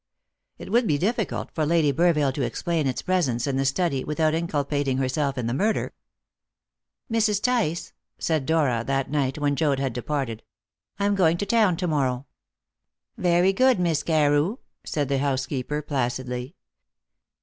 It would be difficult for Lady Burville to explain its presence in the study without inculpating herself in the murder. "Mrs. Tice," said Dora that night when Joad had departed, "I am going to town to morrow." "Very good, Miss Carew," said the housekeeper placidly.